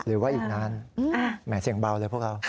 หรือว่าอีกนานแหมเสียงเบาเลยพวกเรา